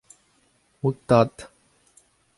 ho tad.